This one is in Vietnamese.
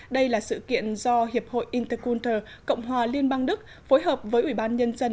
đây là sự kiện do hiệp hội intercontre cộng hòa liên bang đức phối hợp với ủy ban nhân dân